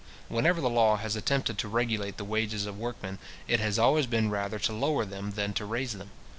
Whenever the law has attempted to regulate the wages of workmen, it has always been rather to lower them than to raise them.